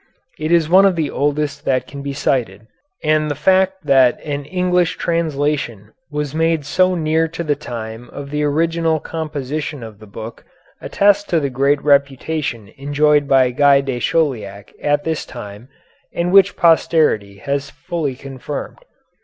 It is one of the oldest that can be cited, and the fact that an English translation was made so near to the time of the original composition of the book attests the great reputation enjoyed by Guy de Chauliac at this time, and which posterity has fully confirmed."